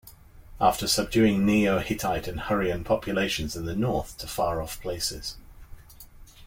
After subduing Neo-Hittite and Hurrian populations in the north to far-off places.